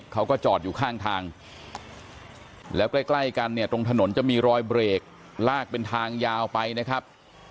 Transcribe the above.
เขาก็จอดอยู่ข้างทางแล้วใกล้ใกล้กันเนี่ยตรงถนนจะมีรอยเบรกลากเป็นทางยาวไปนะครับ